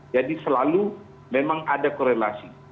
jadi selalu memang ada korelasi